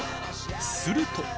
すると！